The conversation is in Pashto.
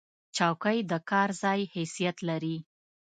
چوکۍ د کار ځای حیثیت لري.